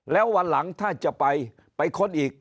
แล้ววันหลังถ้าจะไปไปค้นอีก